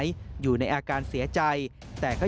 จึงไม่ได้เอดในแม่น้ำ